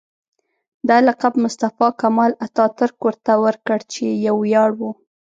دا لقب مصطفی کمال اتاترک ورته ورکړ چې یو ویاړ و.